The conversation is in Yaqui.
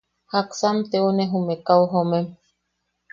¿Jaksa am teune jume kau jomem?